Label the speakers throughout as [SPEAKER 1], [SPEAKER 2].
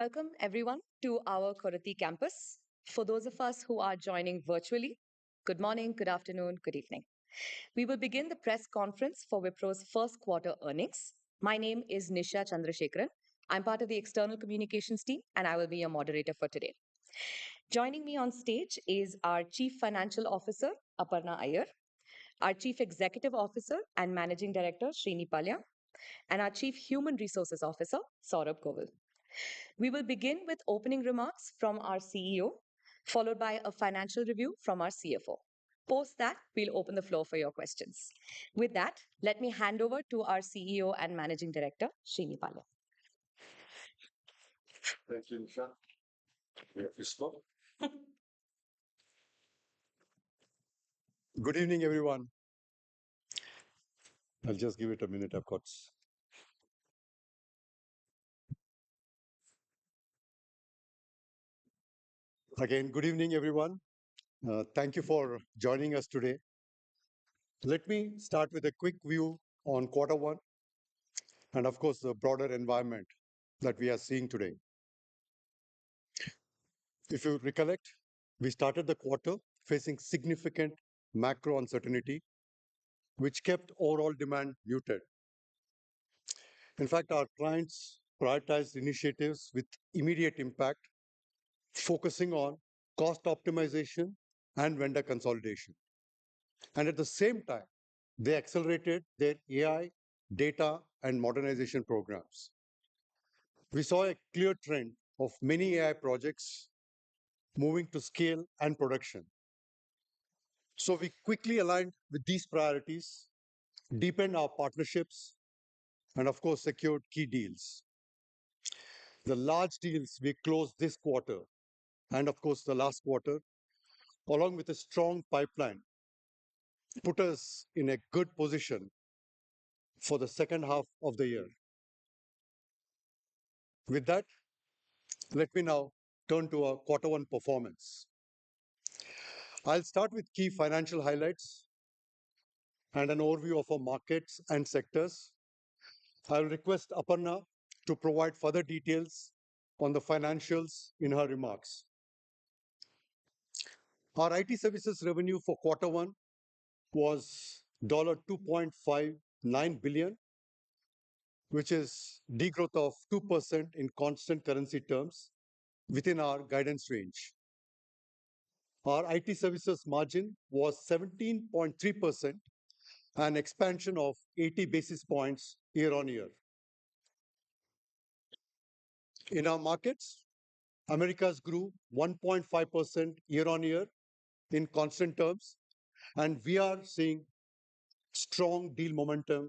[SPEAKER 1] Welcome, everyone, to our Kodathi Campus. For those of us who are joining virtually, good morning, good afternoon, good evening. We will begin the press conference for Wipro's first-quarter earnings. My name is Nisha Chandrasekaran. I'm part of the external communications team, and I will be your moderator for today. Joining me on stage is our Chief Financial Officer, Aparna Iyer, our Chief Executive Officer and Managing Director, Srini Pallia, and our Chief Human Resources Officer, Saurabh Govil. We will begin with opening remarks from our CEO, followed by a financial review from our CFO. Post that, we'll open the floor for your questions. With that, let me hand over to our CEO and Managing Director, Srini Pallia.
[SPEAKER 2] Thank you, Nisha. Good evening, everyone. I'll just give it a minute, of course. Again, good evening, everyone. Thank you for joining us today. Let me start with a quick view on quarter one. And, of course, the broader environment that we are seeing today. If you recollect, we started the quarter facing significant macro uncertainty, which kept overall demand muted. In fact, our clients prioritized initiatives with immediate impact, focusing on cost optimization and vendor consolidation. And at the same time, they accelerated their AI data and modernization programs. We saw a clear trend of many AI projects. Moving to scale and production. So we quickly aligned with these priorities, deepened our partnerships, and, of course, secured key deals. The large deals we closed this quarter and, of course, the last quarter, along with a strong pipeline. Put us in a good position. For the second half of the year. With that, let me now turn to our quarter one performance. I'll start with key financial highlights. And an overview of our markets and sectors. I'll request Aparna to provide further details on the financials in her remarks. Our IT services revenue for quarter one was $2.59 billion. Which is a growth of 2% in constant currency terms within our guidance range. Our IT services margin was 17.3%. An expansion of 80 basis points year-on-year. In our markets, Americas grew 1.5% year-on-year in constant currency terms, and we are seeing. Strong deal momentum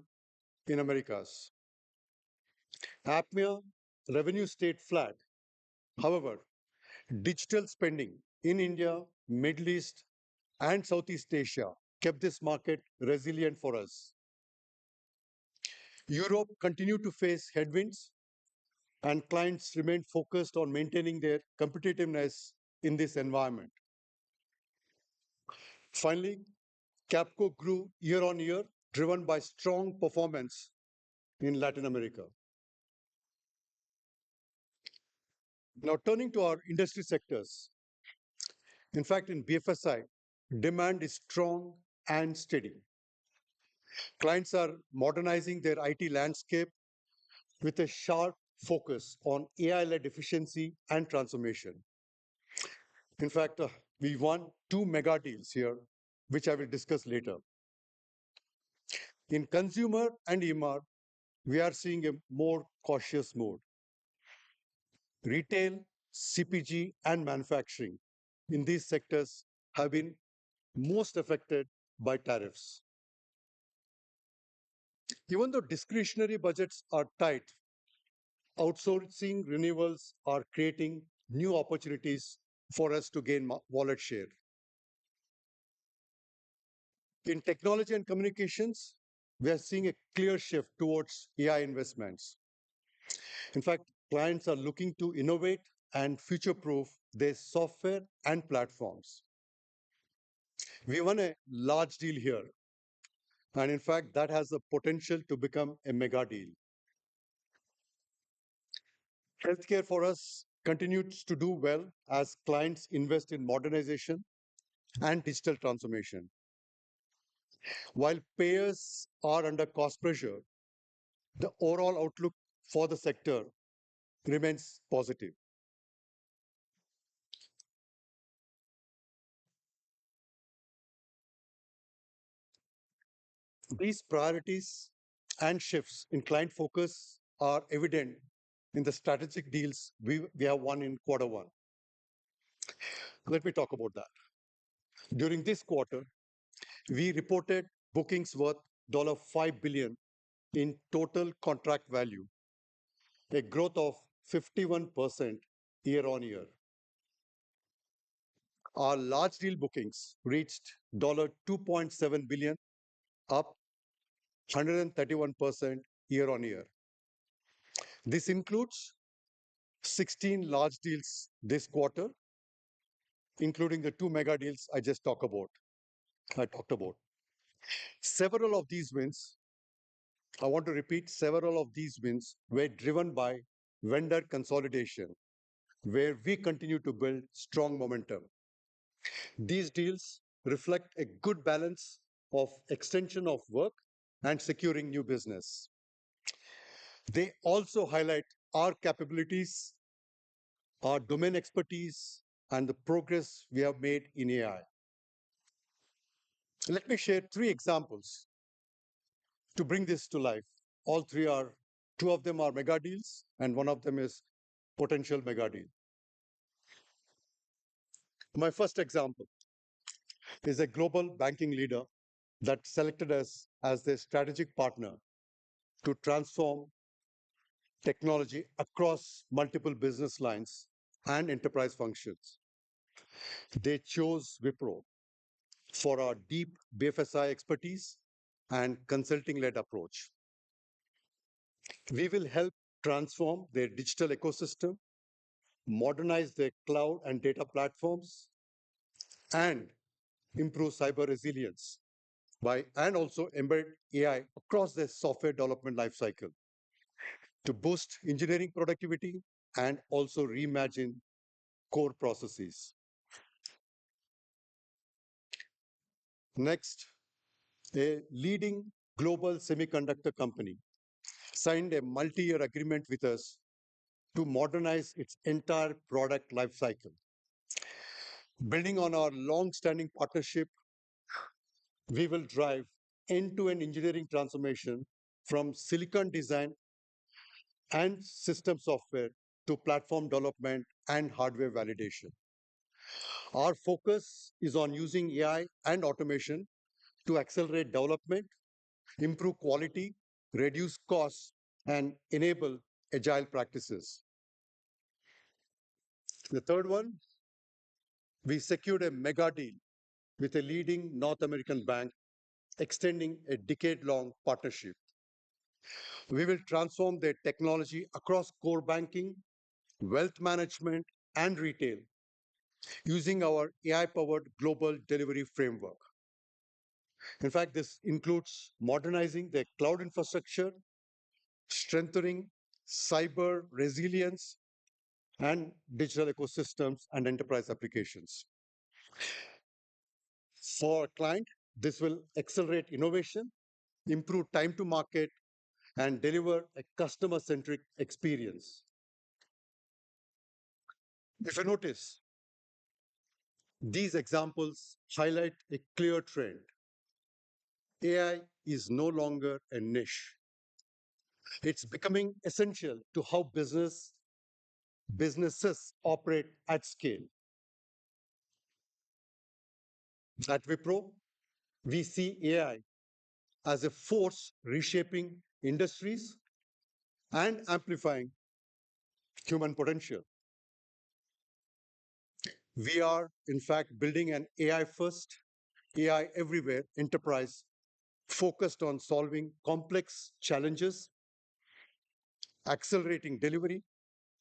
[SPEAKER 2] in Americas. APMEA revenues stayed flat. However, digital spending in India, the Middle East, and Southeast Asia kept this market resilient for us. Europe continued to face headwinds, and clients remained focused on maintaining their competitiveness in this environment. Finally, Capco grew year-on-year, driven by strong performance in Latin America. Now, turning to our industry sectors. In fact, in BFSI, demand is strong and steady. Clients are modernizing their IT landscape with a sharp focus on AI-led efficiency and transformation. In fact, we won two mega deals here, which I will discuss later. In consumer and EMR, we are seeing a more cautious mood. Retail, CPG, and manufacturing in these sectors have been most affected by tariffs. Even though discretionary budgets are tight. Outsourcing renewables are creating new opportunities for us to gain wallet share. In technology and communications, we are seeing a clear shift towards AI investments. In fact, clients are looking to innovate and future-proof their software and platforms. We won a large deal here. And, in fact, that has the potential to become a mega deal. Healthcare for us continues to do well as clients invest in modernization and digital transformation. While payers are under cost pressure. The overall outlook for the sector remains positive. These priorities and shifts in client focus are evident in the strategic deals we have won in quarter one. Let me talk about that. During this quarter, we reported bookings worth $5 billion in total contract value, a growth of 51% year-on-year. Our large deal bookings reached $2.7 billion, up. 131% year-on-year. This includes. 16 large deals this quarter. Including the two mega deals I just talked about. Several of these wins, I want to repeat, several of these wins were driven by vendor consolidation, where we continue to build strong momentum. These deals reflect a good balance of extension of work and securing new business. They also highlight our capabilities, our domain expertise, and the progress we have made in AI. Let me share three examples to bring this to life. All three, two of them are mega deals, and one of them is a potential mega deal. My first example is a global banking leader that selected us as their strategic partner to transform technology across multiple business lines and enterprise functions. They chose Wipro for our deep BFSI expertise and consulting-led approach. We will help transform their digital ecosystem, modernize their cloud and data platforms, and improve cyber resilience, and also embed AI across their software development lifecycle to boost engineering productivity and also reimagine core processes. Next, a leading global semiconductor company signed a multi-year agreement with us to modernize its entire product lifecycle, building on our longstanding partnership. We will drive end-to-end engineering transformation from silicon design and system software to platform development and hardware validation. Our focus is on using AI and automation to accelerate development, improve quality, reduce costs, and enable agile practices. The third one, we secured a mega deal with a leading North American bank, extending a decade-long partnership. We will transform their technology across core banking, wealth management, and retail using our AI-powered global delivery framework. In fact, this includes modernizing their cloud infrastructure, strengthening cyber resilience, and digital ecosystems and enterprise applications. For our client, this will accelerate innovation, improve time-to-market, and deliver a customer-centric experience. If you notice, these examples highlight a clear trend. AI is no longer a niche. It's becoming essential to how businesses operate at scale. At Wipro, we see AI as a force reshaping industries and amplifying human potential. We are, in fact, building an AI-first, AI-everywhere enterprise focused on solving complex challenges, accelerating delivery,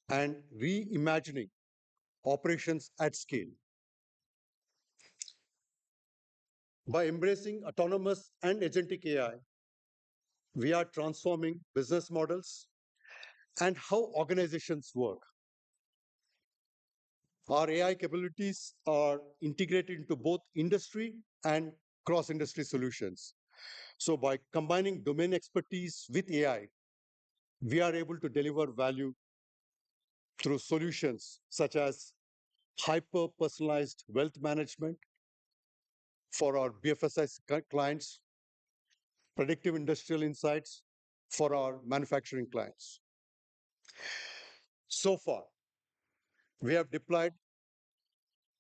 [SPEAKER 2] and reimagining operations at scale by embracing autonomous and agentic AI. We are transforming business models and how organizations work. Our AI capabilities are integrated into both industry and cross-industry solutions. So, by combining domain expertise with AI, we are able to deliver value through solutions such as hyper-personalized wealth management for our BFSI clients, predictive industrial insights for our manufacturing clients. So far, we have deployed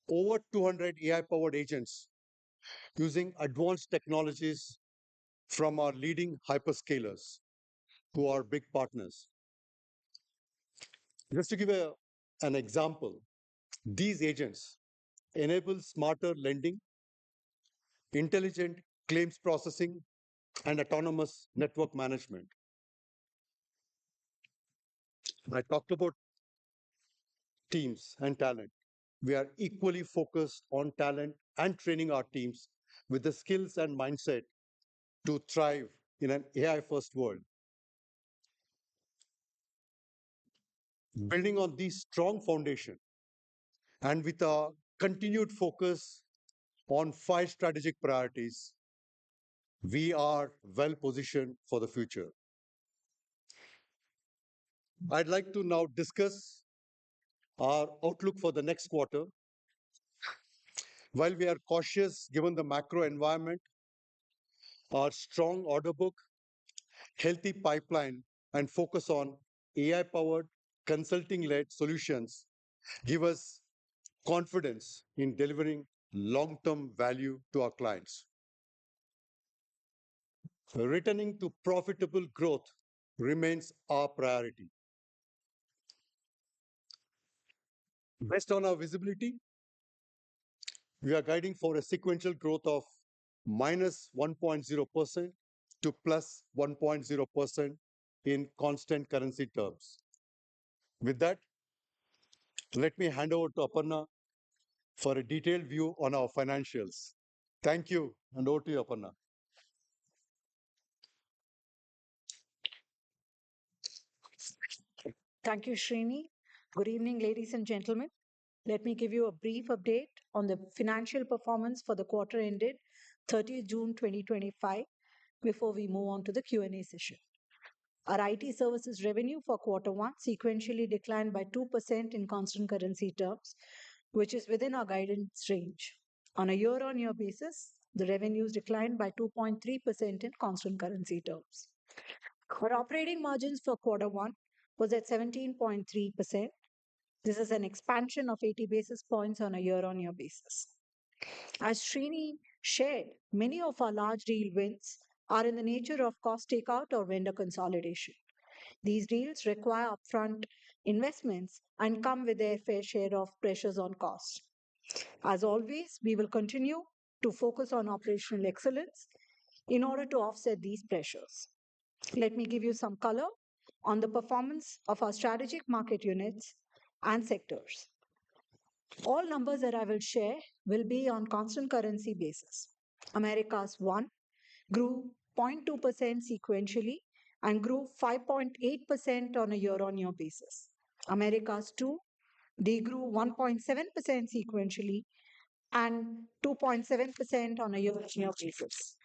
[SPEAKER 2] over 200 AI-powered agents using advanced technologies from our leading hyperscalers to our big partners. Just to give an example, these agents enable smarter lending, intelligent claims processing, and autonomous network management. I talked about teams and talent. We are equally focused on talent and training our teams with the skills and mindset to thrive in an AI-first world. Building on this strong foundation and with a continued focus on five strategic priorities, we are well-positioned for the future. I'd like to now discuss our outlook for the next quarter. While we are cautious given the macro environment, our strong order book, healthy pipeline, and focus on AI-powered consulting-led solutions give us confidence in delivering long-term value to our clients. Returning to profitable growth remains our priority. Based on our visibility, we are guiding for a sequential growth of -1.0% to +1.0% in constant currency terms. With that, let me hand over to Aparna for a detailed view on our financials. Thank you, and over to you, Aparna.
[SPEAKER 3] Thank you, Srini. Good evening, ladies and gentlemen. Let me give you a brief update on the financial performance for the quarter ended 30th June 2025 before we move on to the Q&A session. Our IT services revenue for quarter one sequentially declined by 2% in constant currency terms, which is within our guidance range. On a year-on-year basis, the revenues declined by 2.3% in constant currency terms. Our operating margins for quarter one was at 17.3%. This is an expansion of 80 basis points on a year-on-year basis. As Srini shared, many of our large deal wins are in the nature of cost takeout or vendor consolidation. These deals require upfront investments and come with their fair share of pressures on cost. As always, we will continue to focus on operational excellence in order to offset these pressures. Let me give you some color on the performance of our strategic market units and sectors. All numbers that I will share will be on a constant currency basis. Americas 1 grew 0.2% sequentially and grew 5.8% on a year-on-year basis. Americas Two degrew 1.7% sequentially and 2.7% on a year-on-year basis.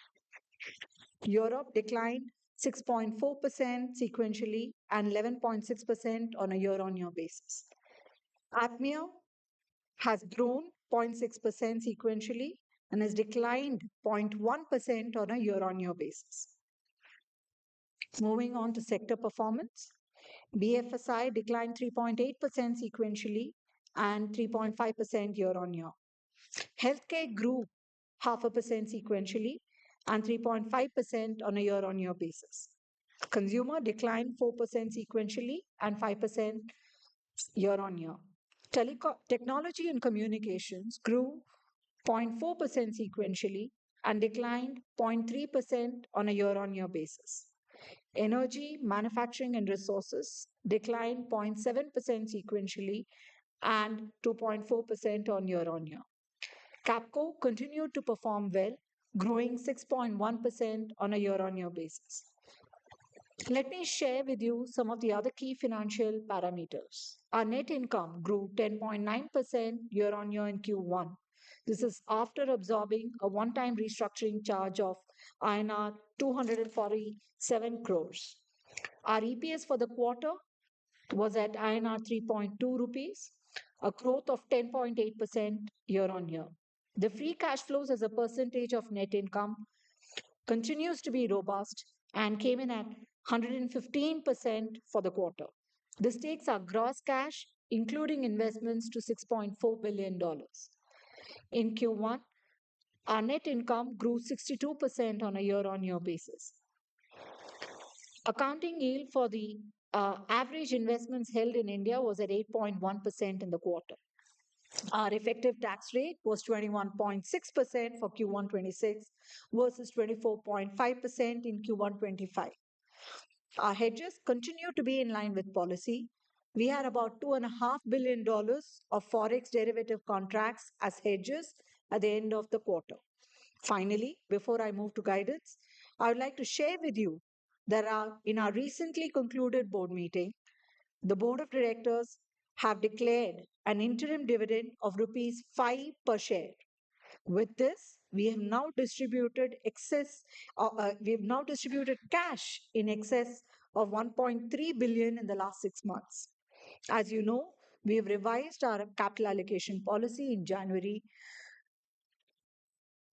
[SPEAKER 3] Europe declined 6.4% sequentially and 11.6% on a year-on-year basis. APMEA has grown 0.6% sequentially and has declined 0.1% on a year-on-year basis. Moving on to sector performance, BFSI declined 3.8% sequentially and 3.5% year-on-year. Healthcare grew 0.5% sequentially and 3.5% on a year-on-year basis. Consumer declined 4% sequentially and 5% year-on-year. Technology and communications grew 0.4% sequentially and declined 0.3% on a year-on-year basis. Energy, manufacturing, and resources declined 0.7% sequentially and 2.4% on year-on-year. Capco continued to perform well, growing 6.1% on a year-on-year basis. Let me share with you some of the other key financial parameters. Our net income grew 10.9% year-on-year in Q1. This is after absorbing a one-time restructuring charge of INR 247 crores. Our EPS for the quarter was at 3.2 rupees. A growth of 10.8% year-on-year. The free cash flows as a percentage of net income continues to be robust and came in at 115% for the quarter. This takes our gross cash, including investments, to $6.4 billion in Q1. Our net income grew 62% on a year-on-year basis. Accounting yield for the average investments held in India was at 8.1% in the quarter. Our effective tax rate was 21.6% for quarter one Q1 2026 versus 24.5% in Q1 2025. Our hedges continue to be in line with policy. We had about $2.5 billion of forex derivative contracts as hedges at the end of the quarter. Finally, before I move to guidance, I would like to share with you that in our recently concluded board meeting, the board of directors have declared an interim dividend of rupees 5 per share. With this, we have now distributed excess cash in excess of $1.3 billion in the last six months. As you know, we have revised our capital allocation policy in January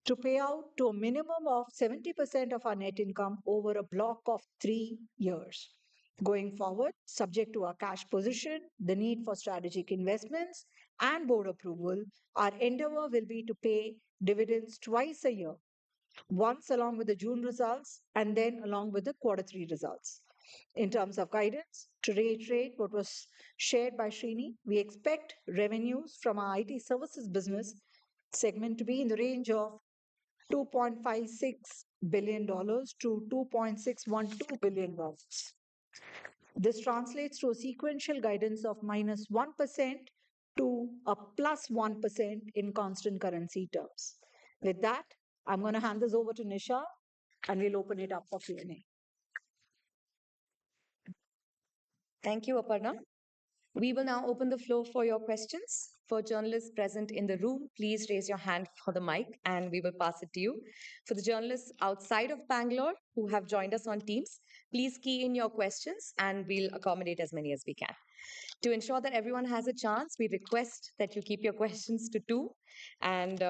[SPEAKER 3] to pay out to a minimum of 70% of our net income over a block of three years. Going forward, subject to our cash position, the need for strategic investments, and board approval, our endeavor will be to pay dividends twice a year, once along with the June results and then along with the quarter 3 results. In terms of guidance, to reiterate what was shared by Srini, we expect revenues from our IT services business segment to be in the range of $2.56 billion-$2.612 billion. This translates to a sequential guidance of -1% to +1% in constant currency terms. With that, I'm going to hand this over to Nisha, and we'll open it up for Q&A.
[SPEAKER 1] Thank you, Aparna. We will now open the floor for your questions. For journalists present in the room, please raise your hand for the mic, and we will pass it to you. For the journalists outside of Bangalore who have joined us on Teams, please key in your questions, and we'll accommodate as many as we can. To ensure that everyone has a chance, we request that you keep your questions to two, and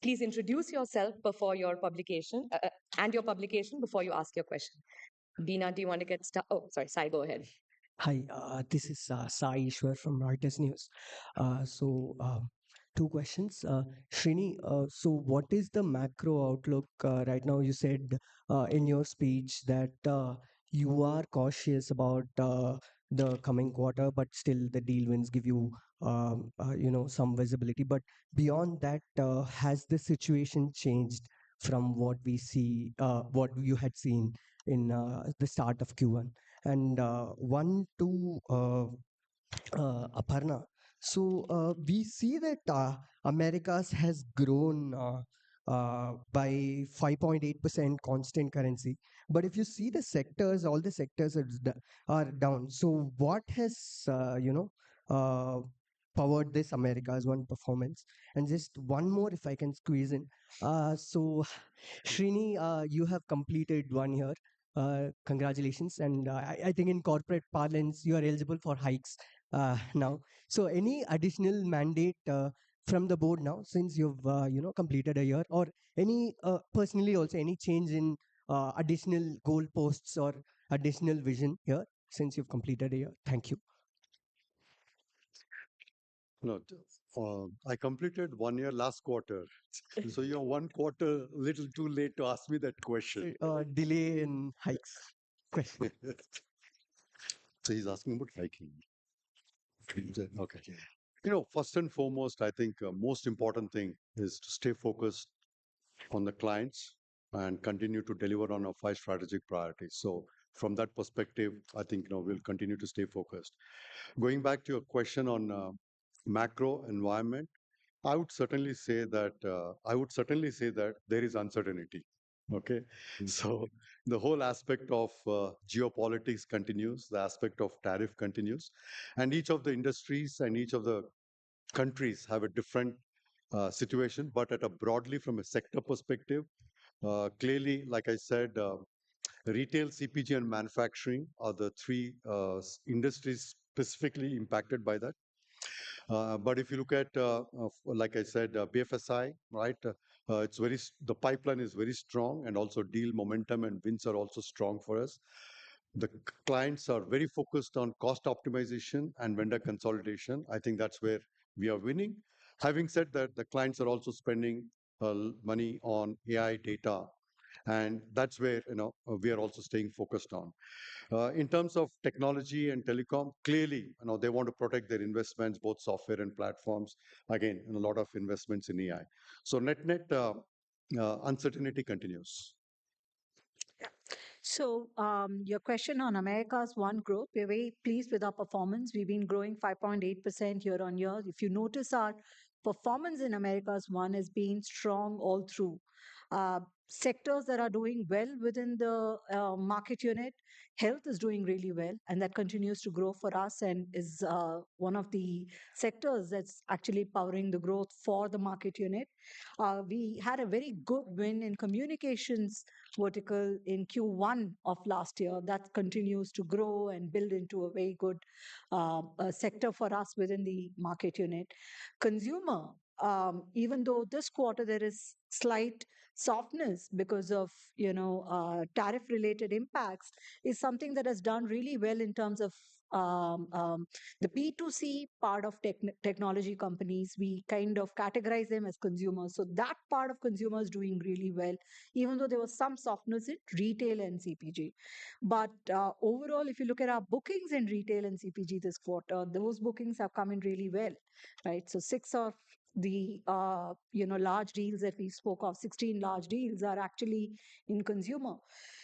[SPEAKER 1] please introduce yourself before your publication and your publication before you ask your question. Veena, do you want to get started? Oh, sorry, Sai, go ahead.
[SPEAKER 4] Hi, this is Sai Ishwar from Reuters News. So, two questions. Srini, so what is the macro outlook right now? You said in your speech that you are cautious about the coming quarter, but still the deal wins give you some visibility. But beyond that, has the situation changed from what we see, what you had seen in the start of quarter one? And one to Aparna, so we see that Americas has grown by 5.8% constant currency. But if you see the sectors, all the sectors are down. So what has powered this Americas' one performance? And just one more, if I can squeeze in. So, Srini, you have completed one year. Congratulations. And I think in corporate parlance, you are eligible for hikes now. So any additional mandate from the board now since you've completed a year? Or personally also, any change in additional goal posts or additional vision here since you've completed a year? Thank you.
[SPEAKER 2] No. I completed one year last quarter. So you're one quarter a little too late to ask me that question.
[SPEAKER 4] Delay in hikes question.
[SPEAKER 2] So he's asking about hiking. Okay. First and foremost, I think the most important thing is to stay focused on the clients and continue to deliver on our five strategic priorities. So from that perspective, I think we'll continue to stay focused. Going back to your question on macro environment, I would certainly say that I would certainly say that there is uncertainty. Okay? So the whole aspect of geopolitics continues, the aspect of tariff continues. And each of the industries and each of the countries have a different situation. But broadly, from a sector perspective, clearly, like I said, retail, CPG, and manufacturing are the three industries specifically impacted by that. But if you look at, like I said, BFSI, right, the pipeline is very strong, and also deal momentum and wins are also strong for us. The clients are very focused on cost optimization and vendor consolidation. I think that's where we are winning. Having said that, the clients are also spending money on AI data. And that's where we are also staying focused on. In terms of technology and telecom, clearly, they want to protect their investments, both software and platforms. Again, a lot of investments in AI. So net-net uncertainty continues.
[SPEAKER 3] So your question on Americas 1 group, we're very pleased with our performance. We've been growing 5.8% year-over-year. If you notice, our performance in Americas 1 has been strong all through. Sectors that are doing well within the market unit, health is doing really well, and that continues to grow for us and is one of the sectors that's actually powering the growth for the market unit. We had a very good win in communications vertical in quarter one of last year. That continues to grow and build into a very good sector for us within the market unit. Consumer, even though this quarter there is slight softness because of tariff-related impacts, is something that has done really well in terms of the B2C part of technology companies. We kind of categorize them as consumers. So that part of consumers is doing really well, even though there was some softness in retail and CPG. But overall, if you look at our bookings in retail and CPG this quarter, those bookings have come in really well, right? So six of the large deals that we spoke of, 16 large deals, are actually in consumer.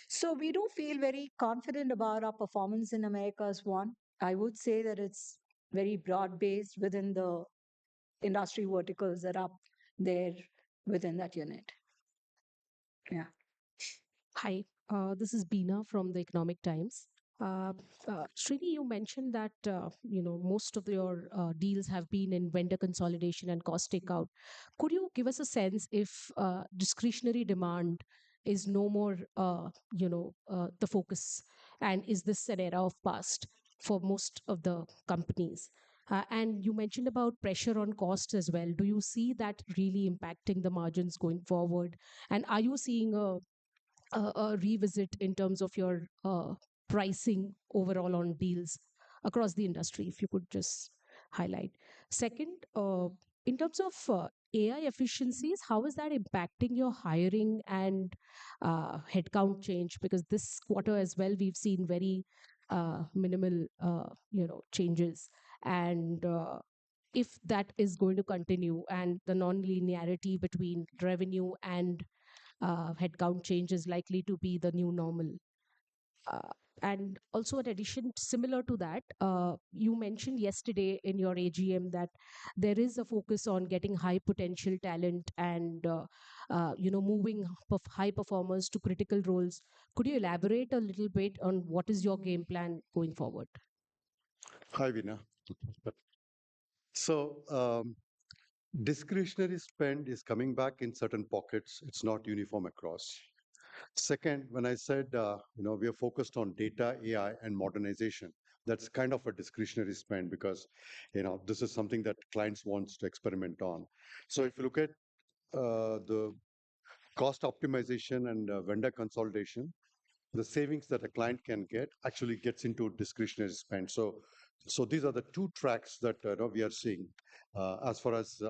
[SPEAKER 3] So we do feel very confident about our performance in Americas 1. I would say that it's very broad-based within the industry verticals that are there within that unit.
[SPEAKER 5] Yeah. Hi, this is Deena from The Economic Times. Srini, you mentioned that most of your deals have been in vendor consolidation and cost takeout. Could you give us a sense if discretionary demand is no more the focus? And is this an era of the past for most of the companies? And you mentioned about pressure on cost as well. Do you see that really impacting the margins going forward? And are you seeing a revisit in terms of your pricing overall on deals across the industry, if you could just highlight? Second, in terms of AI efficiencies, how is that impacting your hiring and headcount change? Because this quarter as well, we've seen very minimal changes. And if that is going to continue and the non-linearity between revenue and headcount change is likely to be the new normal. And also, in addition, similar to that, you mentioned yesterday in your AGM that there is a focus on getting high-potential talent and moving high performers to critical roles. Could you elaborate a little bit on what is your game plan going forward?
[SPEAKER 2] Hi, Deena. So, discretionary spend is coming back in certain pockets. It's not uniform across. Second, when I said we are focused on data, AI, and modernization, that's kind of a discretionary spend because. This is something that clients want to experiment on. So if you look at the cost optimization and vendor consolidation, the savings that a client can get actually gets into discretionary spend. So these are the two tracks that we are seeing. As far as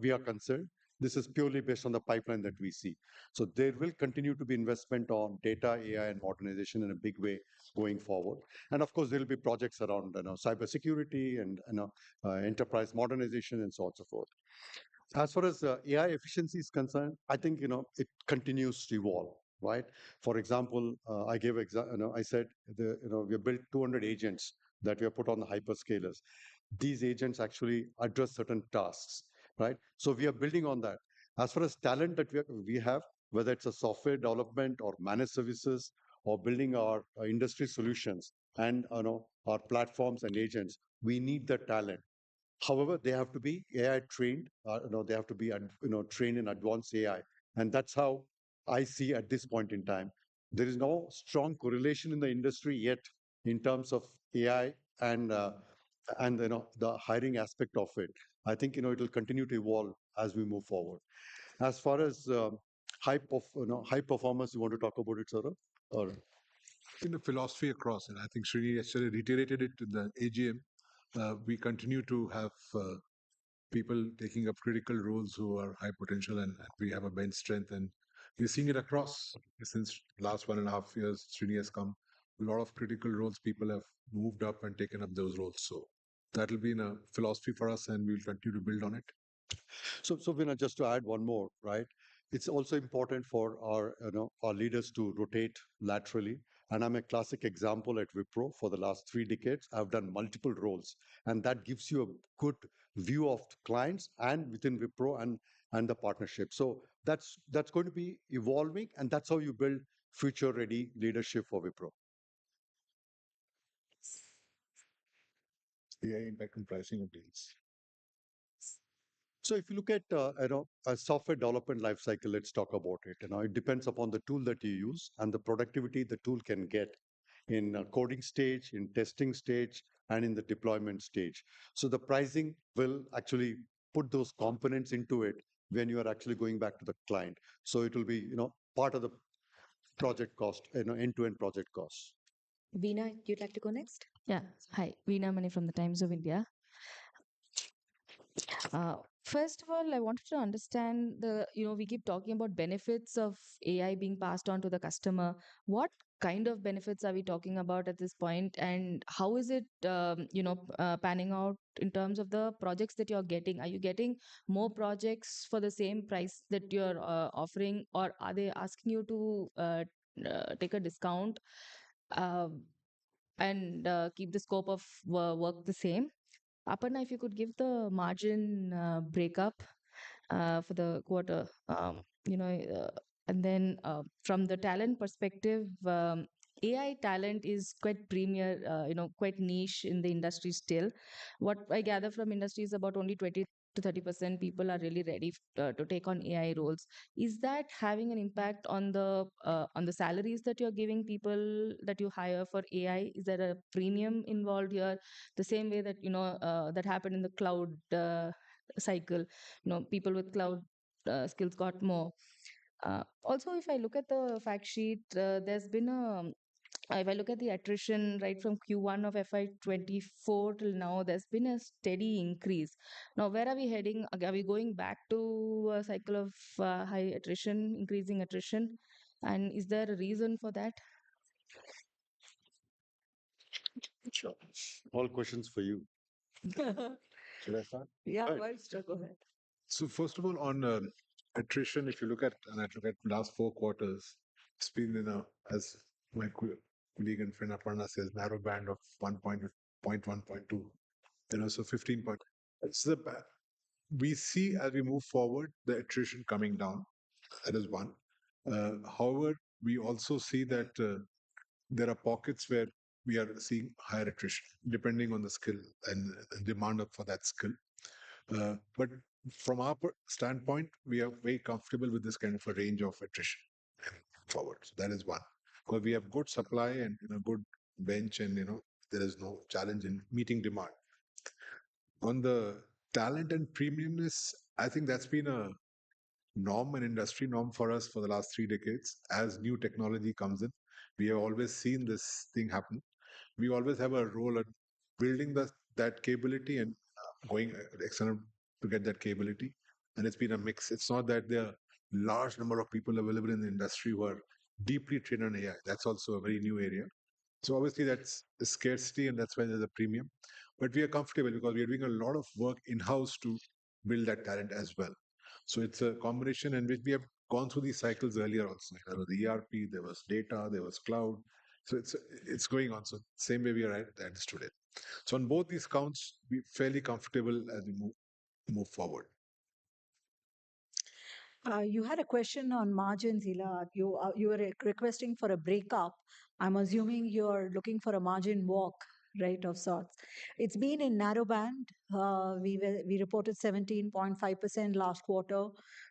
[SPEAKER 2] we are concerned, this is purely based on the pipeline that we see. So there will continue to be investment on data, AI, and modernization in a big way going forward. And of course, there will be projects around cybersecurity and enterprise modernization and so on and so forth. As far as AI efficiency is concerned, I think it continues to evolve, right? For example, I gave an example. I said we have built 200 agents that we have put on the hyperscalers. These agents actually address certain tasks, right? So we are building on that. As far as talent that we have, whether it's a software development or managed services or building our industry solutions and our platforms and agents, we need the talent. However, they have to be AI-trained. They have to be trained in advanced AI. And that's how I see at this point in time. There is no strong correlation in the industry yet in terms of AI and the hiring aspect of it. I think it'll continue to evolve as we move forward. As far as high performance, you want to talk about it, Saurabh? Or?
[SPEAKER 6] In the philosophy across, and I think Srini yesterday reiterated it to the AGM, we continue to have people taking up critical roles who are high potential, and we have a bench strength. And you're seeing it across since the last one and a half years, Srini has come a lot of critical roles. People have moved up and taken up those roles. So that'll be in a philosophy for us, and we'll continue to build on it.
[SPEAKER 2] So Deena, just to add one more, right? It's also important for our leaders to rotate laterally. And I'm a classic example at Wipro for the last three decades. I've done multiple roles. And that gives you a good view of clients and within Wipro and the partnership. So that's going to be evolving, and that's how you build future-ready leadership for Wipro.
[SPEAKER 6] AI impact on pricing of deals?
[SPEAKER 2] So if you look at a software development lifecycle, let's talk about it. It depends upon the tool that you use and the productivity the tool can get in the coding stage, in testing stage, and in the deployment stage. So the pricing will actually put those components into it when you are actually going back to the client. So it'll be part of the project cost, end-to-end project cost.
[SPEAKER 1] Veena, do you like to go next?
[SPEAKER 7] Yeah. Hi, Veena Mani from The Times of India. First of all, I wanted to understand. We keep talking about benefits of AI being passed on to the customer. What kind of benefits are we talking about at this point? And how is it panning out in terms of the projects that you're getting? Are you getting more projects for the same price that you're offering, or are they asking you to take a discount and keep the scope of work the same? Aparna, if you could give the margin breakup for the quarter. And then from the talent perspective, AI talent is quite premium, quite niche in the industry still. What I gather from industry is about only 20%-30% people are really ready to take on AI roles. Is that having an impact on the salaries that you're giving people that you hire for AI? Is there a premium involved here? The same way that happened in the cloud cycle, people with cloud skills got more. Also, if I look at the fact sheet, there's been a - if I look at the attrition right from quarter one of FY24 till now, there's been a steady increase. Now, where are we heading? Are we going back to a cycle of high attrition, increasing attrition? And is there a reason for that?
[SPEAKER 2] All questions for you.
[SPEAKER 6] Should I start?
[SPEAKER 3] Yeah, why don't you go ahead.
[SPEAKER 6] So first of all, on attrition, if you look at the last four quarters, it's been, as my colleague and friend Aparna says, narrow band of [11%, 12%. So 15%.] We see, as we move forward, the attrition coming down. That is one. However, we also see that. There are pockets where we are seeing higher attrition, depending on the skill and the demand for that skill. But from our standpoint, we are very comfortable with this kind of a range of attrition. And forward. So that is one. But we have good supply and a good bench, and there is no challenge in meeting demand. On the talent and premiumness, I think that's been a norm, an industry norm for us for the last three decades. As new technology comes in, we have always seen this thing happen. We always have a role in building that capability and going external to get that capability. And it's been a mix. It's not that there are a large number of people available in the industry who are deeply trained on AI. That's also a very new area. So obviously, that's scarcity, and that's why there's a premium. But we are comfortable because we are doing a lot of work in-house to build that talent as well. So it's a combination in which we have gone through these cycles earlier also. There was ERP, there was data, there was cloud. So it's going on. So same way we understood it. So on both these counts, we're fairly comfortable as we move forward.
[SPEAKER 3] You had a question on margins, Ila. You were requesting for a breakup. I'm assuming you're looking for a margin walk, right, of sorts. It's been in narrow band. We reported 17.5% last quarter.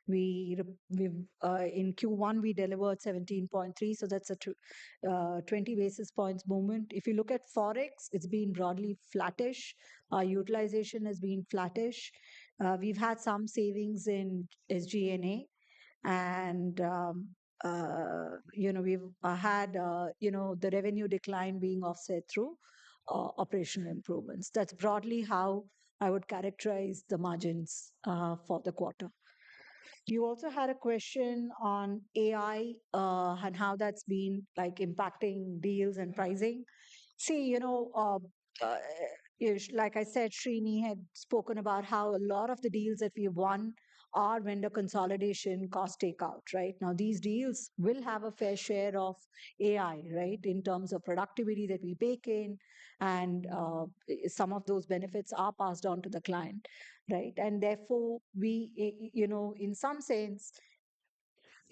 [SPEAKER 3] In Q1, we delivered 17.3%. So that's a 20 basis points movement. If you look at forex, it's been broadly flattish. Utilization has been flattish. We've had some savings in SG&A, and we've had the revenue decline being offset through operational improvements. That's broadly how I would characterize the margins for the quarter. You also had a question on AI and how that's been impacting deals and pricing. See, like I said, Srini had spoken about how a lot of the deals that we've won are vendor consolidation, cost takeout, right? Now, these deals will have a fair share of AI, right, in terms of productivity that we bake in. And some of those benefits are passed on to the client, right? And therefore, in some sense,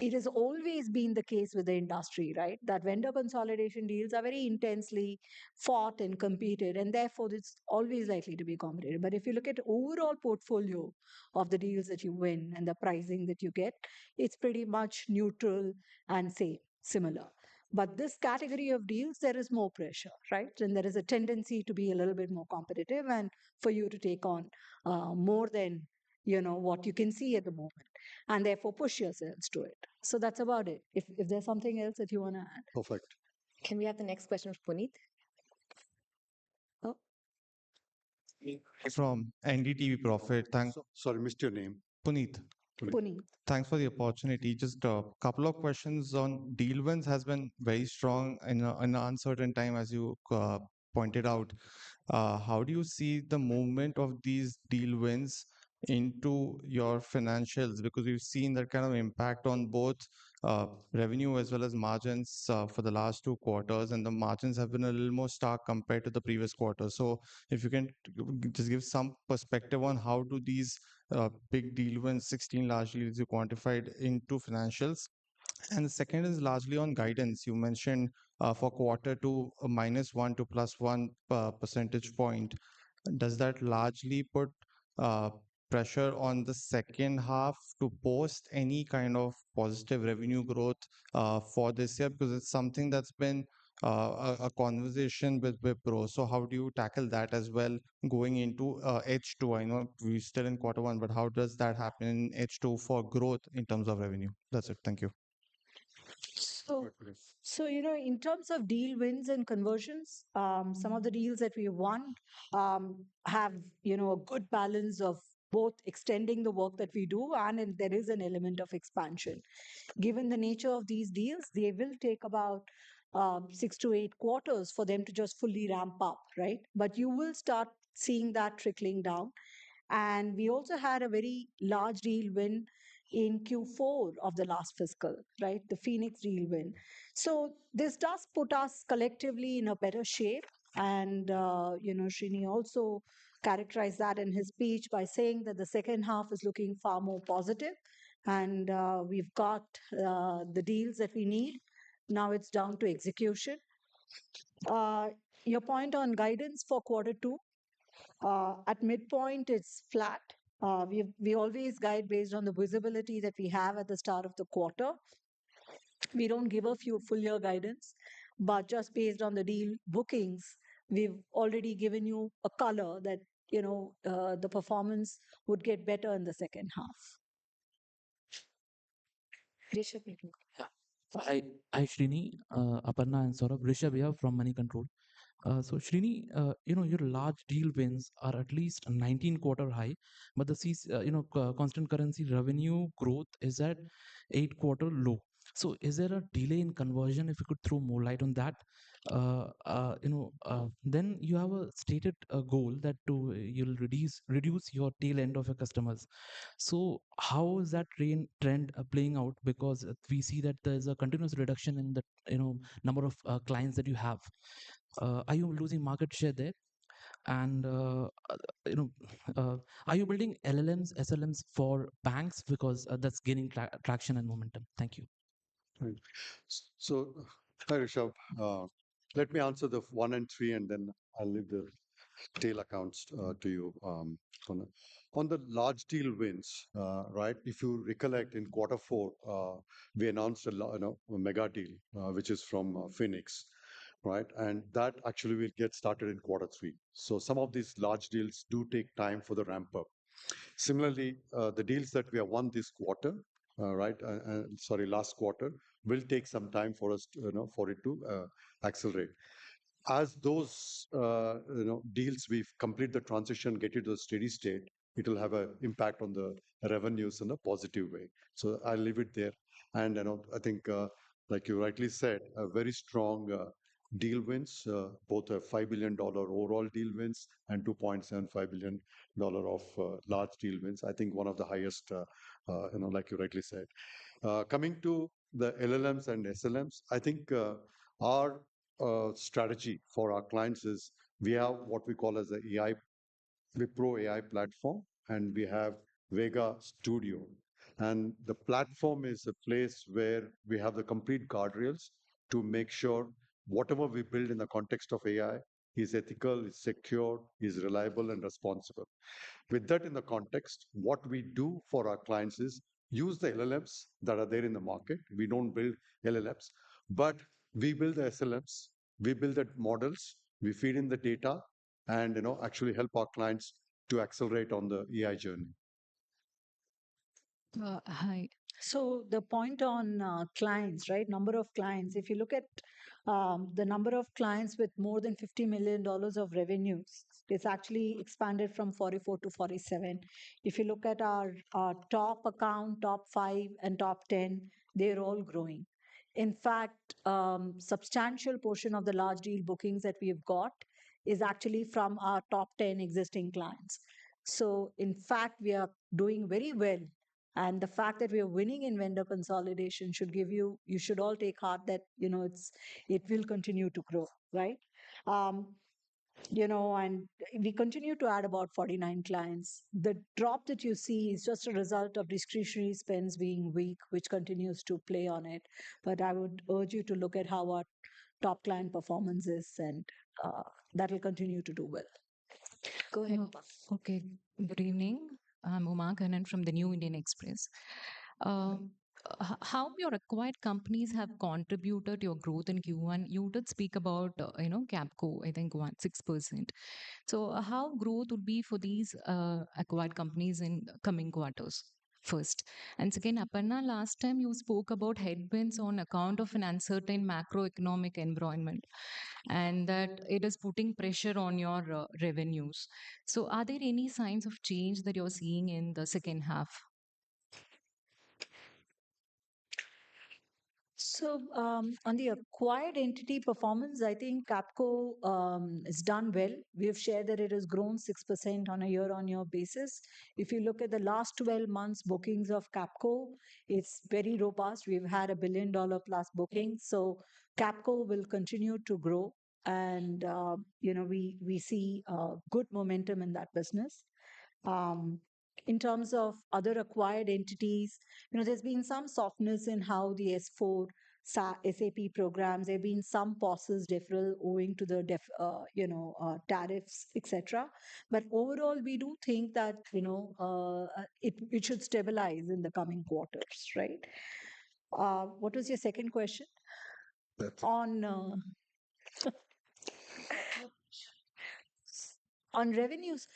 [SPEAKER 3] it has always been the case with the industry, right, that vendor consolidation deals are very intensely fought and competed. And therefore, it's always likely to be accommodated. But if you look at the overall portfolio of the deals that you win and the pricing that you get, it's pretty much neutral and similar. But this category of deals, there is more pressure, right? And there is a tendency to be a little bit more competitive and for you to take on more than what you can see at the moment. And therefore, push yourselves to it. So that's about it. If there's something else that you want to add.
[SPEAKER 6] Perfect.
[SPEAKER 1] Can we have the next question from Puneet?
[SPEAKER 8] From NDTV Profit. Thanks.
[SPEAKER 6] Sorry, missed your name.
[SPEAKER 8] Puneet.
[SPEAKER 1] Puneet.
[SPEAKER 8] Thanks for the opportunity. Just a couple of questions on deal wins has been very strong in an uncertain time, as you pointed out. How do you see the movement of these deal wins into your financials? Because we've seen that kind of impact on both revenue as well as margins for the last two quarters, and the margins have been a little more stark compared to the previous quarter. If you can just give some perspective on how do these big deal wins, 16 large deals you quantified, into financials? The second is largely on guidance. You mentioned for quarter to minus one to plus one percentage point. Does that largely put pressure on the second half to boost any kind of positive revenue growth for this year? Because it's something that's been a conversation with Wipro. How do you tackle that as well going into H2? I know we're still in quarter one, but how does that happen in H2 for growth in terms of revenue? That's it. Thank you.
[SPEAKER 3] So in terms of deal wins and conversions, some of the deals that we have won have a good balance of both extending the work that we do, and there is an element of expansion. Given the nature of these deals, they will take about six to eight quarters for them to just fully ramp up, right? But you will start seeing that trickling down. And we also had a very large deal win in Q4 of the last fiscal, right? The Phoenix deal win. So this does put us collectively in a better shape. And Srini also characterized that in his speech by saying that the second half is looking far more positive. And we've got the deals that we need. Now it's down to execution. Your point on guidance for quarter two. At midpoint, it's flat. We always guide based on the visibility that we have at the start of the quarter. We don't give forward full-year guidance, but just based on the deal bookings, we've already given you a color that the performance would get better in the second half.
[SPEAKER 1] Rishabh.
[SPEAKER 9] Yeah. Hi, Srini. Aparna and Saurabh. Rishabh here from Moneycontrol. So Srini, your large deal wins are at least 19-quarter high, but the constant currency revenue growth is at eight-quarter low. So is there a delay in conversion? If you could throw more light on that. Then you have stated a goal that you'll reduce your tail end of your customers. So how is that trend playing out? Because we see that there's a continuous reduction in the number of clients that you have. Are you losing market share there? And are you building LLMs, SLMs for banks? Because that's gaining traction and momentum. Thank you.
[SPEAKER 2] So hi, Rishabh. Let me answer the one and three, and then I'll leave the tail accounts to you, Aparna. On the large deal wins, right, if you recollect in quarter four, we announced a mega deal, which is from Phoenix, right? And that actually will get started in quarter three. So some of these large deals do take time for the ramp-up. Similarly, the deals that we have won this quarter, right, sorry, last quarter, will take some time for it to accelerate. As those deals, we've completed the transition, get into a steady state, it'll have an impact on the revenues in a positive way. So I'll leave it there. And I think, like you rightly said, very strong deal wins, both $5 billion overall deal wins and $2.75 billion of large deal wins. I think one of the highest. Like you rightly said. Coming to the LLMs and SLMs, I think our strategy for our clients is we have what we call as the Wipro AI Platform, and we have Vega Studio. And the platform is a place where we have the complete guardrails to make sure whatever we build in the context of AI is ethical, is secure, is reliable, and responsible. With that in the context, what we do for our clients is use the LLMs that are there in the market. We don't build LLMs, but we build the SLMs. We build the models. We feed in the data and actually help our clients to accelerate on the AI journey.
[SPEAKER 3] Hi. So the point on clients, right, number of clients. If you look at the number of clients with more than $50 million of revenues, it's actually expanded from 44 to 47. If you look at our top account, top 5 and top 10, they're all growing. In fact. A substantial portion of the large deal bookings that we have got is actually from our top 10 existing clients. So in fact, we are doing very well. And the fact that we are winning in vendor consolidation should give you, you should all take heart that it will continue to grow, right? And we continue to add about 49 clients. The drop that you see is just a result of discretionary spends being weak, which continues to play on it. But I would urge you to look at how our top client performance is, and that will continue to do well.
[SPEAKER 1] Go ahead. Okay.
[SPEAKER 10] Good evening. I'm Uma Kannan from the New Indian Express. How your acquired companies have contributed to your growth in quarter one, you did speak about. Capco, I think, 6%. So how growth would be for these acquired companies in coming quarters first? And second, Aparna, last time you spoke about headwinds on account of an uncertain macroeconomic environment and that it is putting pressure on your revenues. So are there any signs of change that you're seeing in the second half?
[SPEAKER 3] So on the acquired entity performance, I think Capco has done well. We have shared that it has grown 6% on a year-on-year basis. If you look at the last 12 months bookings of Capco, it's very robust. We've had a billion-dollar-plus booking. So Capco will continue to grow. And we see good momentum in that business. In terms of other acquired entities, there's been some softness in how the S/4 SAP programs, there have been some pauses different owing to the tariffs, etc. But overall, we do think that it should stabilize in the coming quarters, right? What was your second question?
[SPEAKER 6] That's it.
[SPEAKER 3] Revenues,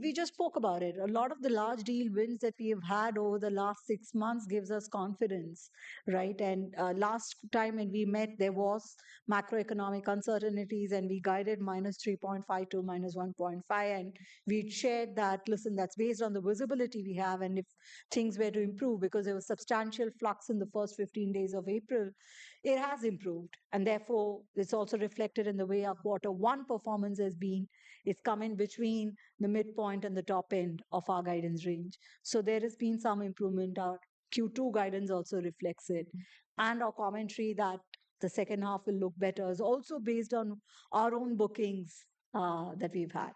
[SPEAKER 3] we just spoke about it. A lot of the large deal wins that we have had over the last six months gives us confidence, right? And last time we met, there were macroeconomic uncertainties, and we guided -3.5% to -1.5%. And we shared that, listen, that's based on the visibility we have. And if things were to improve because there were substantial flux in the first 15 days of April, it has improved. And therefore, it's also reflected in the way our quarter one performance has been. It's come in between the midpoint and the top end of our guidance range. So there has been some improvement. Our Q2 guidance also reflects it. And our commentary that the second half will look better is also based on our own bookings that we've had.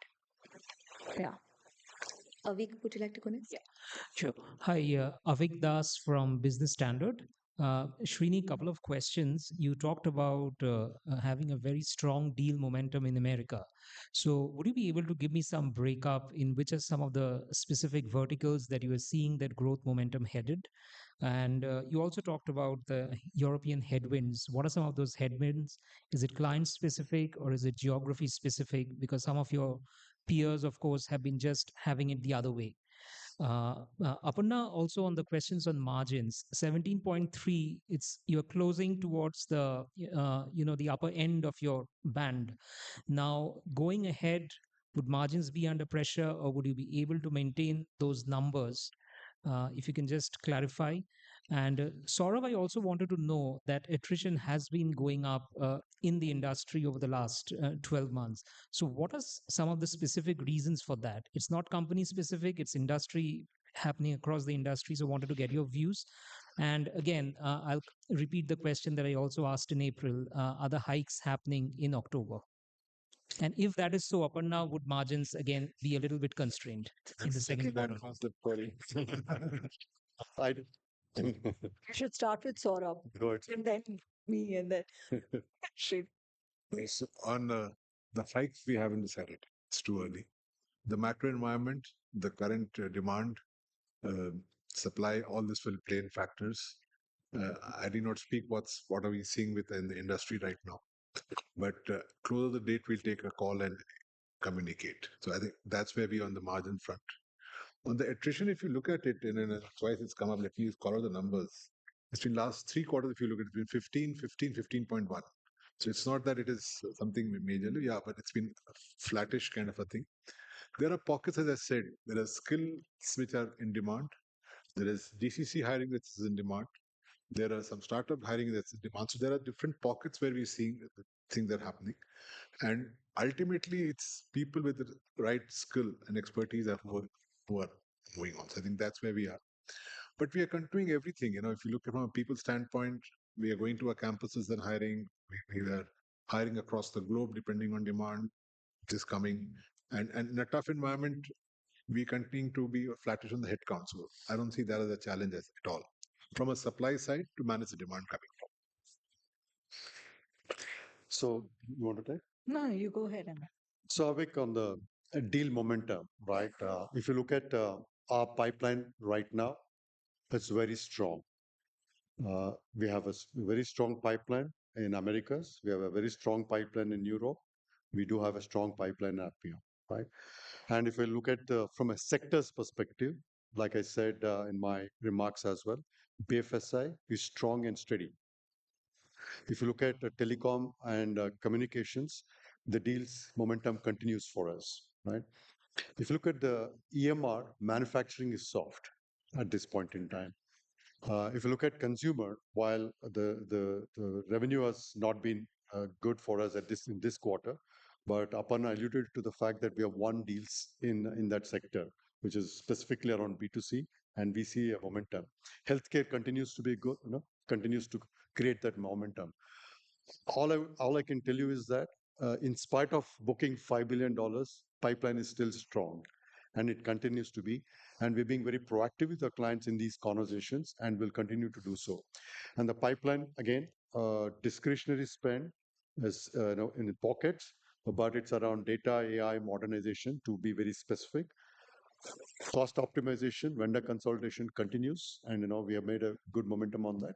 [SPEAKER 1] Yeah. Avik, would you like to go next?
[SPEAKER 11] Yeah. Sure. Hi, Avik Das from Business Standard. Srini, a couple of questions. You talked about having a very strong deal momentum in America. So would you be able to give me some breakdown in which are some of the specific verticals that you are seeing that growth momentum headed? And you also talked about the European headwinds. What are some of those headwinds? Is it client-specific, or is it geography-specific? Because some of your peers, of course, have been just having it the other way. Aparna, also on the questions on margins, 17.3, you're closing towards the upper end of your band. Now, going ahead, would margins be under pressure, or would you be able to maintain those numbers? If you can just clarify. And Saurabh, I also wanted to know that attrition has been going up in the industry over the last 12 months. So what are some of the specific reasons for that? It's not company-specific. It's industry happening across the industry. So I wanted to get your views. And again, I'll repeat the question that I also asked in April. Are the hikes happening in October? And if that is so, Aparna, would margins, again, be a little bit constrained in the second quarter?
[SPEAKER 3] I should start with Saurabh. And then me, and then Srini.
[SPEAKER 6] On the hikes, we haven't decided. It's too early. The macro environment, the current demand, supply, all this will play in factors. I did not speak what are we seeing within the industry right now. But closer to the date, we'll take a call and communicate. So I think that's where we are on the margin front. On the attrition, if you look at it, and twice it's come up, let me just color the numbers. It's been last three quarters, if you look at it, it's been 15%, 15%, 15.1%. So it's not that it is something majorly. Yeah, but it's been a flattish kind of a thing. There are pockets, as I said. There are skills which are in demand. There is GCC hiring that is in demand. There are some startup hiring that's in demand. So there are different pockets where we're seeing things are happening. And ultimately, it's people with the right skill and expertise that are going on. So I think that's where we are. But we are continuing everything. If you look at from a people standpoint, we are going to our campuses and hiring. We are hiring across the globe depending on demand that is coming. And in a tough environment, we continue to be flattish on the headcount. So I don't see that as a challenge at all. From a supply side to manage the demand coming from.
[SPEAKER 2] So you want to take?
[SPEAKER 3] No, you go ahead.
[SPEAKER 2] So Avik, on the deal momentum, right? If you look at our pipeline right now. It's very strong. We have a very strong pipeline in Americas. We have a very strong pipeline in Europe. We do have a strong pipeline in RPM, right? And if we look at from a sector's perspective, like I said in my remarks as well, BFSI is strong and steady. If you look at telecom and communications, the deal's momentum continues for us, right? If you look at the EMR, manufacturing is soft at this point in time. If you look at consumer, while the revenue has not been good for us in this quarter, but Aparna alluded to the fact that we have won deals in that sector, which is specifically around B2C, and we see a momentum. Healthcare continues to be good, continues to create that momentum. All I can tell you is that in spite of booking $5 billion, pipeline is still strong. And it continues to be. And we're being very proactive with our clients in these conversations and will continue to do so. And the pipeline, again, discretionary spend is in pockets, but it's around data, AI, modernization, to be very specific. Cost optimization, vendor consolidation continues. And we have made a good momentum on that.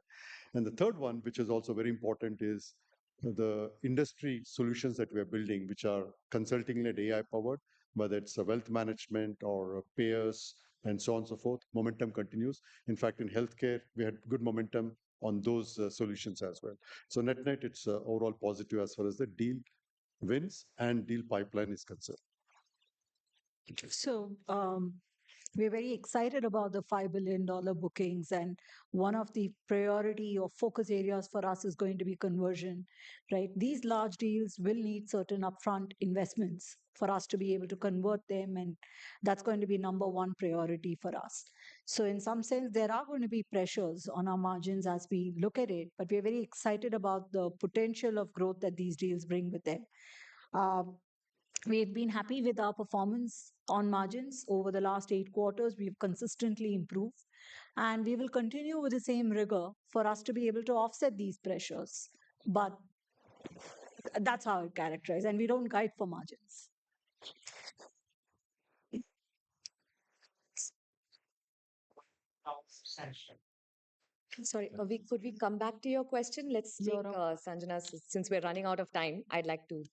[SPEAKER 2] And the third one, which is also very important, is the industry solutions that we are building, which are consulting-led, AI-powered, whether it's wealth management or payers and so on and so forth. Momentum continues. In fact, in healthcare, we had good momentum on those solutions as well. So net-net, it's overall positive as far as the deal wins and deal pipeline is concerned.
[SPEAKER 3] So, we're very excited about the $5 billion bookings. And one of the priority or focus areas for us is going to be conversion, right? These large deals will need certain upfront investments for us to be able to convert them. And that's going to be number one priority for us. So in some sense, there are going to be pressures on our margins as we look at it, but we're very excited about the potential of growth that these deals bring with them. We have been happy with our performance on margins over the last eight quarters. We have consistently improved. And we will continue with the same rigor for us to be able to offset these pressures. But, that's how it characterizes. And we don't guide for margins.
[SPEAKER 1] Sorry, Avik, could we come back to your question? Let's take Sanjana's since we're running out of time. I'd like to.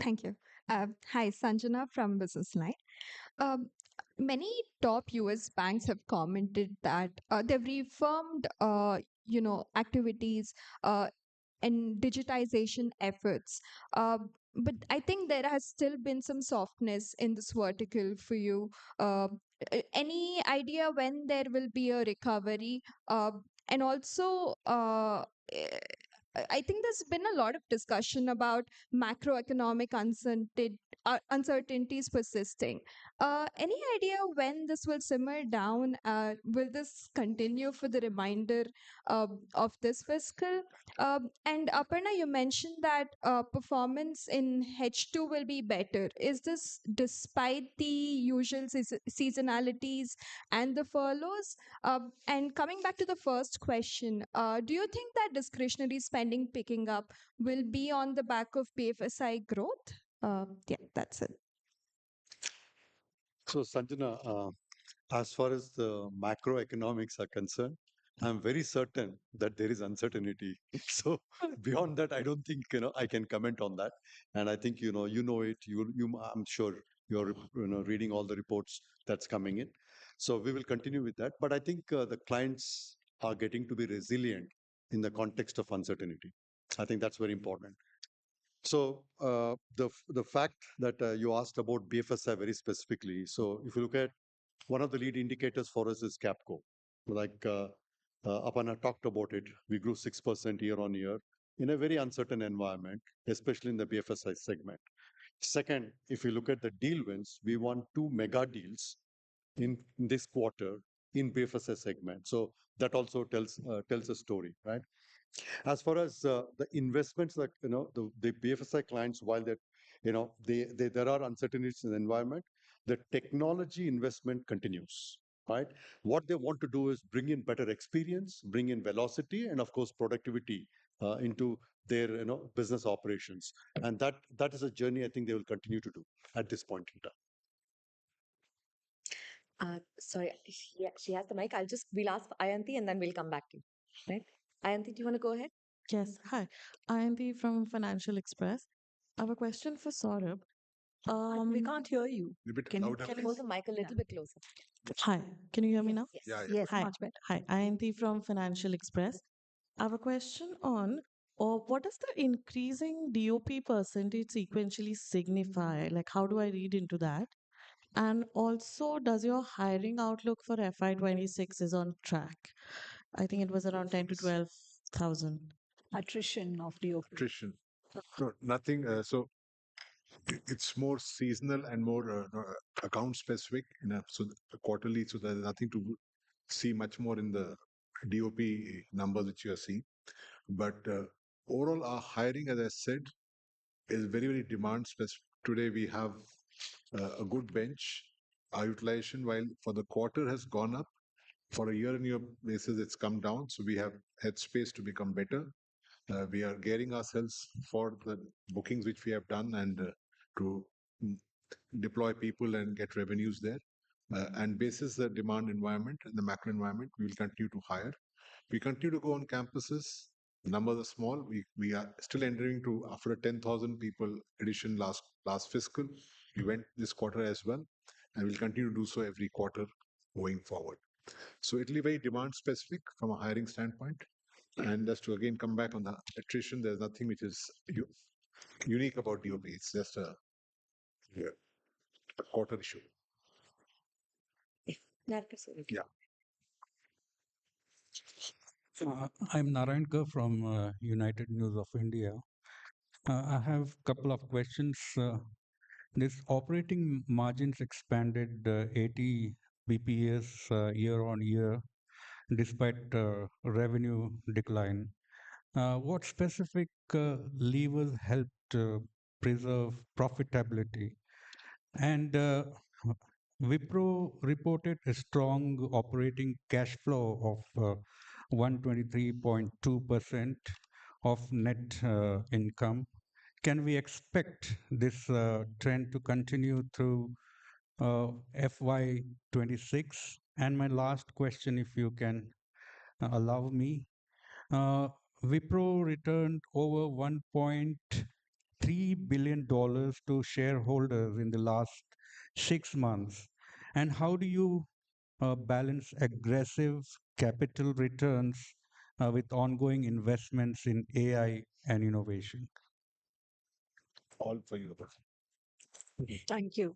[SPEAKER 12] Thank you. Hi, Sanjana from Business Line. Many top U.S. banks have commented that they've reformed activities and digitization efforts. But I think there has still been some softness in this vertical for you. Any idea when there will be a recovery? And also, I think there's been a lot of discussion about macroeconomic uncertainties persisting. Any idea when this will simmer down? Will this continue for the remainder of this fiscal? And Aparna, you mentioned that performance in H2 will be better. Is this despite the usual seasonalities and the furloughs? And coming back to the first question, do you think that discretionary spending picking up will be on the back of BFSI growth? Yeah, that's it.
[SPEAKER 2] So, Sanjana. As far as the macroeconomics are concerned, I'm very certain that there is uncertainty. So beyond that, I don't think I can comment on that. And I think you know it. I'm sure you're reading all the reports that's coming in. So we will continue with that. But I think the clients are getting to be resilient in the context of uncertainty. I think that's very important. So. The fact that you asked about BFSI very specifically, so if you look at one of the lead indicators for us is Capco. Aparna talked about it. We grew 6% year-on-year in a very uncertain environment, especially in the BFSI segment. Second, if you look at the deal wins, we won two mega deals. In this quarter in BFSI segment. So that also tells a story, right? As far as the investments, the BFSI clients, while there are uncertainties in the environment, the technology investment continues, right? What they want to do is bring in better experience, bring in velocity, and of course, productivity into their business operations. And that is a journey I think they will continue to do at this point in time.
[SPEAKER 1] Sorry, she has the mic. We'll ask Ayanti and then we'll come back to you. Ayanti, do you want to go ahead?
[SPEAKER 13] Yes. Hi. Ayanti from Financial Express. I have a question for Saurabh.
[SPEAKER 3] We can't hear you.
[SPEAKER 1] Can you hold the mic a little bit closer?
[SPEAKER 13] Hi. Can you hear me now? Hi. Ayanti from Financial Express. I have a question on what does the increasing DOP percentage sequentially signify? How do I read into that? And also, does your hiring outlook for FY26 is on track? I think it was around 10-12,000.
[SPEAKER 3] Attrition of DOP?
[SPEAKER 6] Attrition. So, it's more seasonal and more account-specific. So quarterly, so there's nothing to see much more in the DOP numbers that you are seeing. But overall, our hiring, as I said, is very, very demand-specific. Today, we have a good bench. Our utilization for the quarter has gone up. For a year-on-year basis, it's come down. So we have headspace to become better. We are gearing ourselves for the bookings which we have done and to deploy people and get revenues there. And based on the demand environment and the macro environment, we will continue to hire. We continue to go on campuses. The numbers are small. We are still adding, too, after a 10,000 people addition last fiscal. We went this quarter as well. And we'll continue to do so every quarter going forward. So it'll be very demand-specific from a hiring standpoint. And as to again come back on the attrition, there's nothing which is unique about DOP. It's just a quarter issue.
[SPEAKER 1] Yeah.
[SPEAKER 14] I'm Narayankar from United News of India. I have a couple of questions. This operating margins expanded 80 basis points year-on-year despite revenue decline. What specific levers helped preserve profitability? And Wipro reported a strong operating cash flow of 123.2% of net income. Can we expect this trend to continue through FY26? And my last question, if you can allow me. Wipro returned over $1.3 billion to shareholders in the last six months. And how do you balance aggressive capital returns with ongoing investments in AI and innovation?
[SPEAKER 6] All for you.
[SPEAKER 3] Thank you.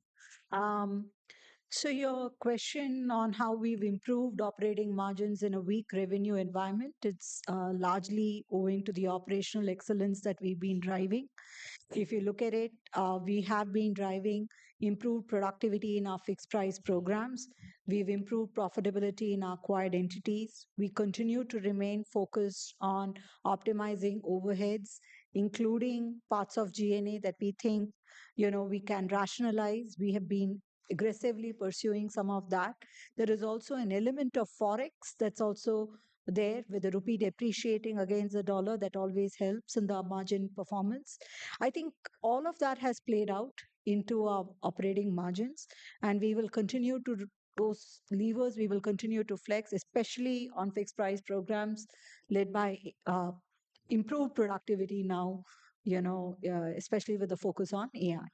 [SPEAKER 3] So your question on how we've improved operating margins in a weak revenue environment, it's largely owing to the operational excellence that we've been driving. If you look at it, we have been driving improved productivity in our fixed-price programs. We've improved profitability in our acquired entities. We continue to remain focused on optimizing overheads, including parts of G&A that we think we can rationalize. We have been aggressively pursuing some of that. There is also an element of forex that's also there with the rupee depreciating against the dollar that always helps in the margin performance. I think all of that has played out into our operating margins. And we will continue to those levers. We will continue to flex, especially on fixed-price programs led by improved productivity now, especially with the focus on AI.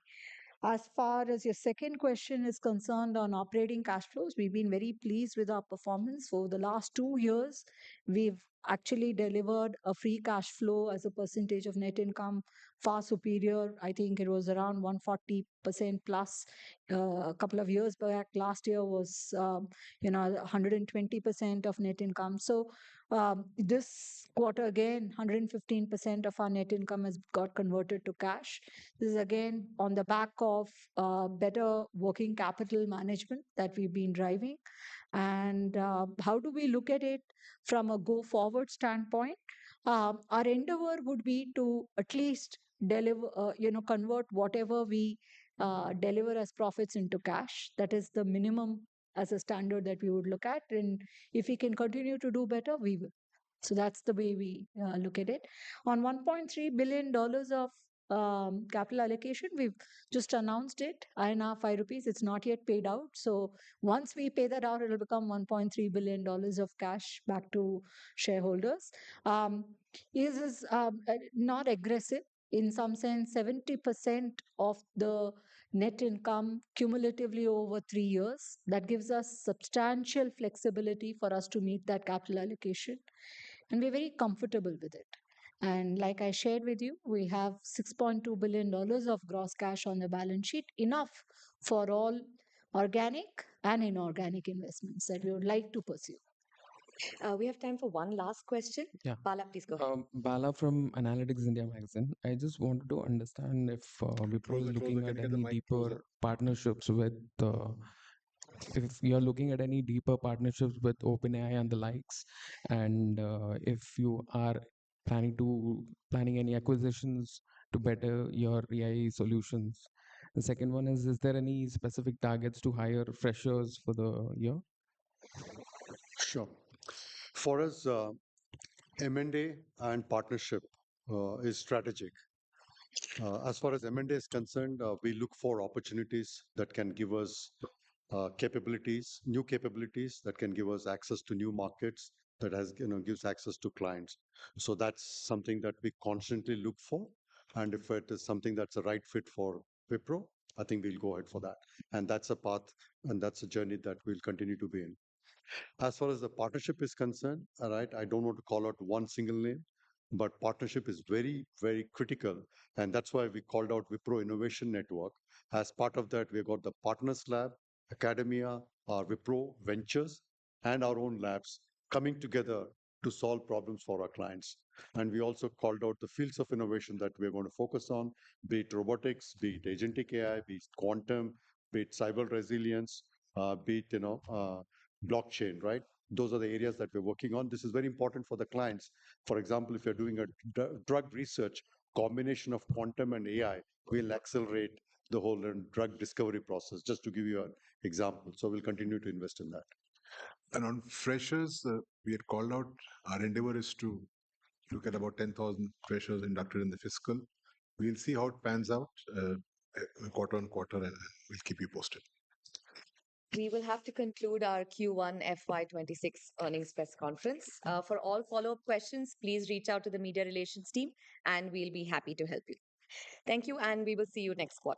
[SPEAKER 3] As far as your second question is concerned on operating cash flows, we've been very pleased with our performance. For the last two years, we've actually delivered a free cash flow as a percentage of net income far superior. I think it was around 140% plus a couple of years back. Last year was 120% of net income. So this quarter, again, 115% of our net income has got converted to cash. This is again on the back of better working capital management that we've been driving. And how do we look at it from a go-forward standpoint? Our endeavor would be to at least convert whatever we deliver as profits into cash. That is the minimum as a standard that we would look at. And if we can continue to do better, we will. So that's the way we look at it. On $1.3 billion of capital allocation, we've just announced it. 5 rupees. It's not yet paid out. So once we pay that out, it'll become $1.3 billion of cash back to shareholders. It is not aggressive. In some sense, 70% of the net income cumulatively over three years. That gives us substantial flexibility for us to meet that capital allocation. And we're very comfortable with it. And like I shared with you, we have $6.4 billion of gross cash on the balance sheet, enough for all organic and inorganic investments that we would like to pursue.
[SPEAKER 1] We have time for one last question. Bala, please go ahead.
[SPEAKER 15] Bala from Analytics India Magazine. I just wanted to understand if you're looking at any deeper partnerships with OpenAI and the likes, and if you are planning any acquisitions to better your AI solutions. The second one is, is there any specific targets to hire freshers for the year?
[SPEAKER 2] Sure. For us, M&A and partnership is strategic. As far as M&A is concerned, we look for opportunities that can give us capabilities, new capabilities that can give us access to new markets that gives access to clients. So that's something that we constantly look for. And if it is something that's a right fit for Wipro, I think we'll go ahead for that. And that's a path and that's a journey that we'll continue to be in. As far as the partnership is concerned, right, I don't want to call out one single name, but partnership is very, very critical. And that's why we called out Wipro Innovation Network. As part of that, we have got the Partners Lab, academia, our Wipro Ventures, and our own labs coming together to solve problems for our clients. And we also called out the fields of innovation that we're going to focus on, be it robotics, be it agentic AI, be it quantum, be it cyber resilience, be it blockchain, right? Those are the areas that we're working on. This is very important for the clients. For example, if you're doing a drug research, combination of quantum and AI will accelerate the whole drug discovery process, just to give you an example. So we'll continue to invest in that.
[SPEAKER 6] And on freshers, we had called out our endeavor is to look at about 10,000 freshers inducted in the fiscal. We'll see how it pans out. Quarter-on-quarter, and we'll keep you posted.
[SPEAKER 1] We will have to conclude our quarter one FY26 earnings press conference. For all follow-up questions, please reach out to the media relations team, and we'll be happy to help you. Thank you, and we will see you next quarter.